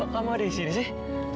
kamu ada disini sih